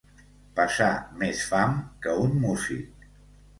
Passar més fam que un músic.